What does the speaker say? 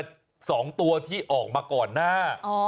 ๒ตัวที่ออกมาก่อนหน้า